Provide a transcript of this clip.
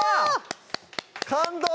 感動